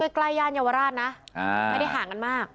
หัวลำโพงก็ใกล้ยานเยาวราชนะไม่ได้ห่างกันมาก